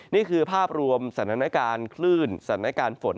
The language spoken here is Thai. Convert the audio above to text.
นี่คือภาพรวมสถานการณ์เปลื่นสังผัสฝน